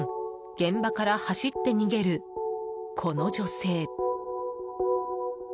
現場から走って逃げるこの女性。